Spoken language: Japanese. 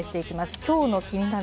きょうのキニナル！